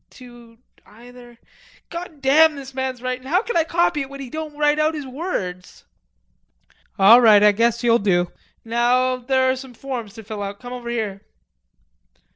to either.... Goddam this man's writin'. How kin I copy it when he don't write out his words?" "All right. I guess you'll do. Now there are some forms to fill out. Come over here."